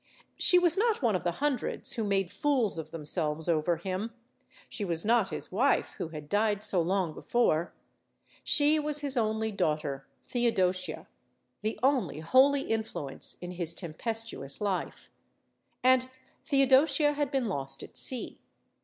She was not one of the hundreds who made fools of them selves over him. She was not his wife, who had died so long before. She was his only daughter, Theodosia ; the only holy influence in his tempestuous life. And Theodosia had been lost at sea.